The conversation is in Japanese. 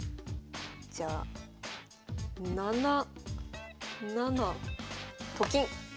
じゃあ７七と金。